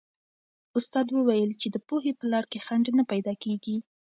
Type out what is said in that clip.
استاد وویل چې د پوهې په لار کې خنډ نه پیدا کېږي.